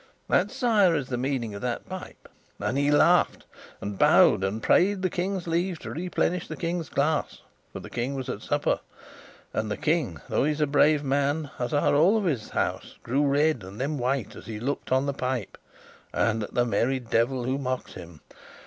That, sire, is the meaning of that pipe.' And he laughed and bowed, and prayed the King's leave to replenish the King's glass for the King was at supper. And the King, though he is a brave man, as are all of his House, grew red and then white as he looked on the pipe and at the merry devil who mocked him.